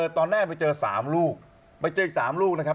ตอนแรกไปเจอ๓ลูกไปเจออีก๓ลูกนะครับ